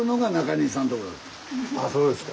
あそうですか。